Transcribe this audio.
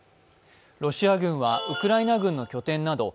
ロシア軍はウクライナ軍の拠点など１０００